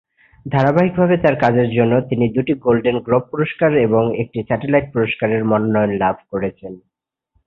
ধারাবাহিকে তার কাজের জন্য তিনি দুটি গোল্ডেন গ্লোব পুরস্কার ও একটি স্যাটেলাইট পুরস্কারের মনোনয়ন লাভ করেছেন।